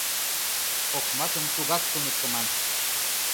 Окмакым тугак туныктыман!